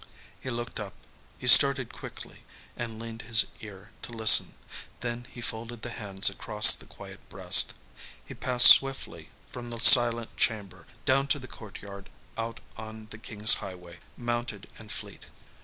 He looked up. He started quickly, and leaned his ear to listen. Then he folded the hands across the quiet breast. He passed swiftly from the silent chamber, down to the courtyard, out on the King's highway, mounted and fleet.